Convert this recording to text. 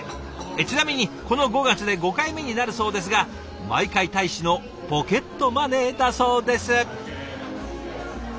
ちなみにこの５月で５回目になるそうですが毎回大使のポケットマネーだそうです。